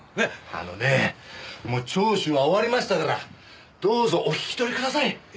あのねえもう聴取は終わりましたからどうぞお引き取りください。